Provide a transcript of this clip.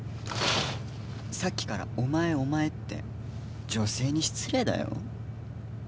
さっきからお前お前って女性に失礼だよ